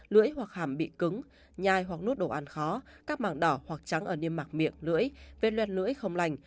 lưỡi hoặc hàm bị cứng nhai hoặc nuốt đồ ăn khó các màng đỏ hoặc trắng ở niêm mạc miệng lưỡi vết luet lưỡi không lành